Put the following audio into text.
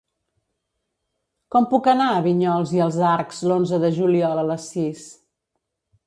Com puc anar a Vinyols i els Arcs l'onze de juliol a les sis?